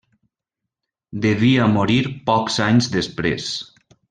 Devia morir pocs anys després.